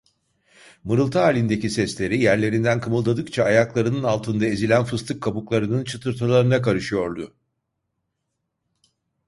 Mırıltı halindeki sesleri, yerlerinden kımıldadıkça ayaklarının altında ezilen fıstık kabuklarının çıtırtılarına karışıyordu.